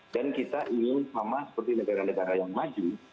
dan kita ingin sama seperti negara negara yang maju